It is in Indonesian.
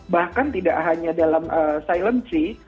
bahkan tidak hanya dalam silency